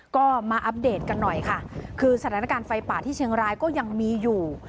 ก็มาอัปเดตกันหน่อยค่ะคือสถานการณ์ไฟป่าที่เชียงรายก็ยังมีอยู่